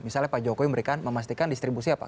misalnya pak jokowi memberikan memastikan distribusi apa